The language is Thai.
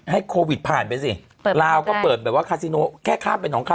โควิดผ่านไปสิลาวก็เปิดแบบว่าคาซิโนแค่ข้ามไปหนองคาย